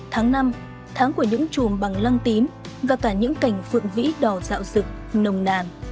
tháng năm tháng của những chùm bằng lăng tím và cả những cảnh phượng vĩ đỏ dạo rực nồng nàn